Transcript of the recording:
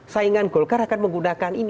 saingan golkar akan menggunakan ini